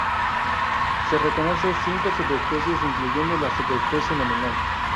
Se reconoce cinco subespecies, incluyendo la subespecie nominal.